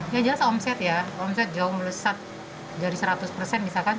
ya jelas omset ya omset jauh melesat dari seratus persen misalkan